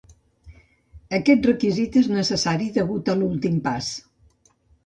Aquest requisit és necessari degut a l"últim pas.